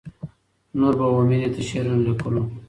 نور به وه ميني ته شعرونه ليكلو